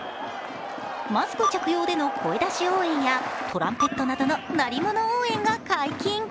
マスク着用での声出し応援やトランペットなどの鳴り物応援が解禁。